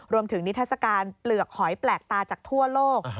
นิทัศกาลเปลือกหอยแปลกตาจากทั่วโลก